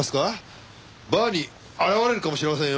バーニー現れるかもしれませんよ！